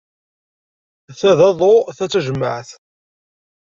Ta d aḍu ta d tajemmaɛt.